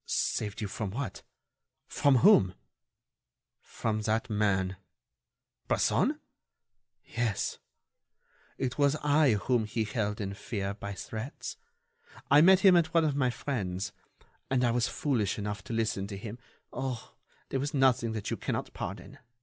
"Saved you from what? From whom?" "From that man." "Bresson?" "Yes; it was I whom he held in fear by threats.... I met him at one of my friends'.... and I was foolish enough to listen to him. Oh! there was nothing that you cannot pardon.